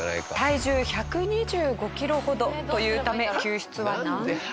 体重１２５キロほどというため救出は難航。